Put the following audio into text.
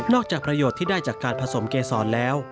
จากประโยชน์ที่ได้จากการผสมเกษรแล้ว